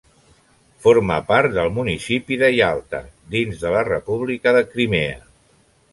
Forma part del municipi de Ialta, dins de la República de Crimea.